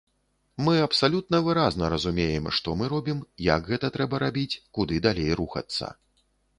Мы абсалютна выразна разумеем, што мы робім, як гэта трэба рабіць, куды далей рухацца.